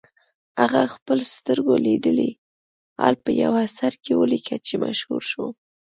هغه خپل سترګو لیدلی حال په یوه اثر کې ولیکه چې مشهور شو.